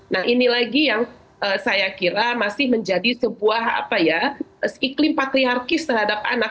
nah ini lagi yang saya kira masih menjadi sebuah iklim patriarkis terhadap anak